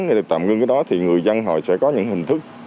ngưng cái đó thì người dân họ sẽ có những hình thức